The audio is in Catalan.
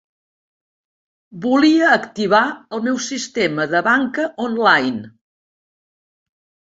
Volia activar el meu sistema de banca online.